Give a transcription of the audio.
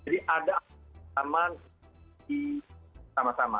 jadi ada pertamaan di sama sama